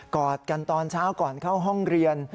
อดกันตอนเช้าก่อนเข้าห้องเรียน